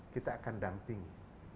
kita akan dampingi